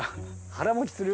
腹もちする？